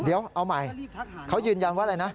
เดี๋ยวเอาใหม่เขายืนยันว่าอะไรนะ